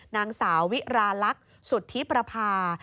นางสาววิราลักษณ์สุทธิประพา